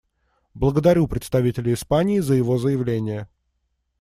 Благодарю представителя Испании за его заявление.